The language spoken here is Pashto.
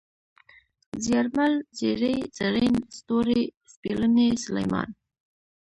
زيارمل ، زېرى ، زرين ، ستوری ، سپېلنی ، سلېمان